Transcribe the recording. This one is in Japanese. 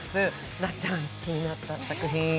なっちゃん気になった作品は？